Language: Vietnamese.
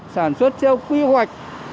sản xuất theo quy hoạch